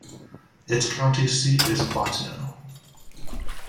Its county seat is Bottineau.